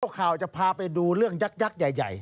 โดยโค้วจะพาไปดูเรื่องยักยักษ์ใหญ่